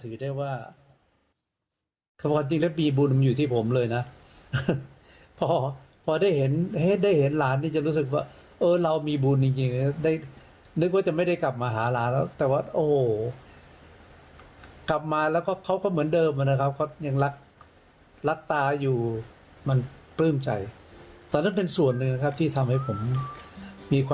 อยากที่จะหายอยากที่จะฟิตขึ้นมา